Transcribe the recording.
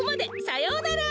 さようなら。